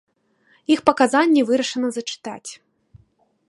Іх паказанні вырашана зачытаць.